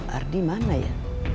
ardi mana ya